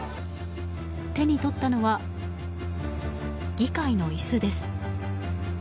手に取ったのは議会の椅子です。